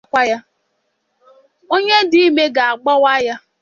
Onye dị ime ga-agbakwa ya.